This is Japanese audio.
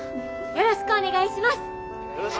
「よろしくお願いします！」。